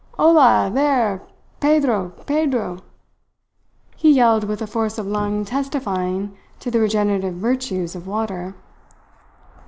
Ola, there! Pedro! Pedro!" he yelled, with a force of lung testifying to the regenerative virtues of water.